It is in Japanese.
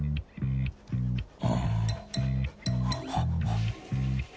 ああ